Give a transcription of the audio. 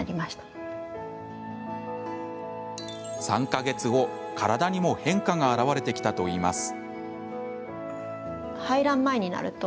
３か月後、体にも変化が現れてきたといいます。